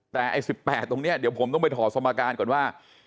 แต่ไอ้๑๘ตรงนี้เดี๋ยวผมต้องไปถอดสมการก่อนว่า